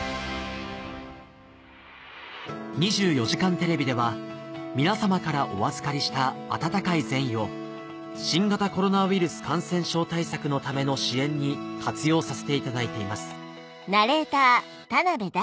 『２４時間テレビ』では皆様からお預かりしたあたたかい善意を新型コロナウイルス感染症対策のための支援に活用させていただいています